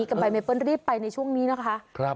กับใบเมเปิ้ลรีบไปในช่วงนี้นะคะ